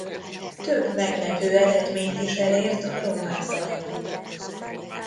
Több meglepő eredményt is elért a román bajnok.